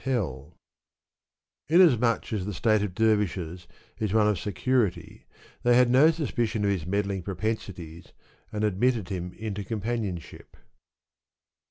Digitized by Google Inasmuch as the state of dervishes is one of security, they had no suspicion of his meddling propensities, and admitted him into companionship.